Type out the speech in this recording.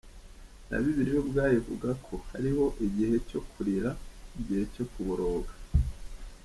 Na Bibiliya ubwayo ivuga ko “hariho igihe cyo kurira” n’“igihe cyo kuboroga” .